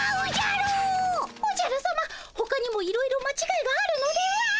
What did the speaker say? おじゃるさまほかにもいろいろまちがいがあるのでは？